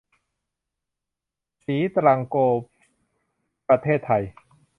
ศรีตรังโกลฟส์ ประเทศไทย